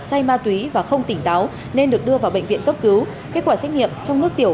say ma túy và không tỉnh táo nên được đưa vào bệnh viện cấp cứu kết quả xét nghiệm trong lúc tiểu